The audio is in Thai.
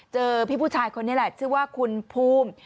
เจอพี่ผู้ชายคนนี้แหละชื่อว่าคุณภูมิ